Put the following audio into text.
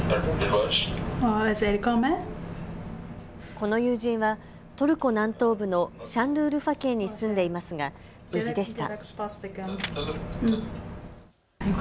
この友人はトルコ南東部のシャンルウルファ県に住んでいますが、無事でした。